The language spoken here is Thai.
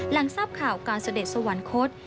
หลังทราบข่าวการเสด็จสวรรคต